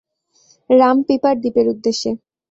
রাম পিপার দ্বীপের উদ্দেশ্যে।